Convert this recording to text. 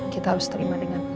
kita harus terima dengan baik